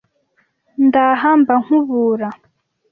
Ndaha mba nkubura